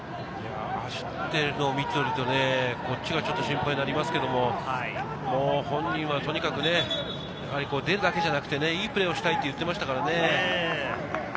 走っているのを見ていると、こっちが心配になりますけれど、本人はとにかく、出るだけじゃなくて、いいプレーをしたいと言っていましたからね。